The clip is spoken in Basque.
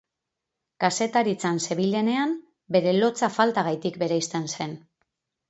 Kazetaritzan zebilenean, bere lotsa faltagatik bereizten zen.